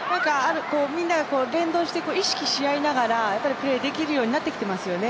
みんなが連動して意識し合いながらプレーできるようになってきていますよね。